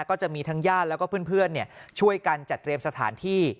ก็จะมีทั้งญาติแล้วก็เพื่อนช่วยกันจัดเตรียมสถานที่